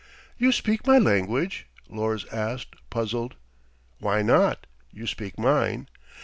"You speak my language?" Lors asked, puzzled. "Why not? You speak mine.